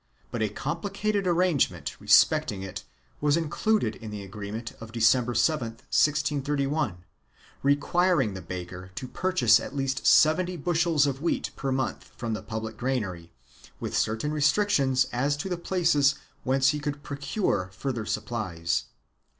392 PRIVILEGES AND EXEMPTIONS [BOOK II but a complicated arrangement respecting it was included in the agreement of December 7, 1631, requiring the baker to purchase at least seventy bushels of wheat per month from the public granary, with certain restrictions as to the places whence he could procure further supplies.